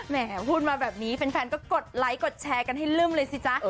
พูดมาแบบนี้แฟนก็กดไลค์กดแชร์กันให้ลื่มเลยสิจ๊ะ